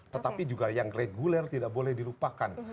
tetapi juga yang reguler tidak boleh dilupakan